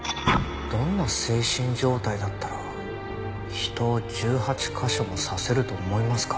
どんな精神状態だったら人を１８カ所も刺せると思いますか？